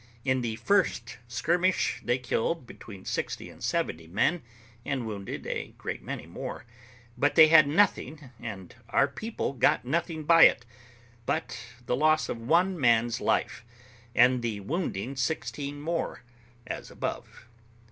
In the first skirmish they killed between sixty and seventy men, and wounded a great many more; but they had nothing, and our people got nothing by it, but the loss of one man's life, and the wounding sixteen more, as above.